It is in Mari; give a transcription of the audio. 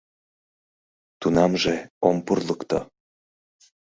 Тунамже ом пурлыкто.